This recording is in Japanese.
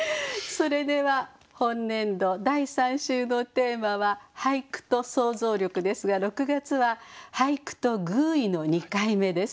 それでは本年度第３週のテーマは「俳句と想像力」ですが６月は「俳句と寓意」の２回目です。